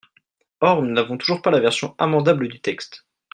Or nous n’avons toujours pas la version amendable du texte.